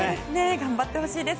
頑張ってほしいです。